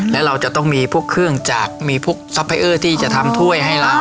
และเราจะต้องมีพวกเครื่องจักรมีพวกซอยเออร์ที่จะทำถ้วยให้เรา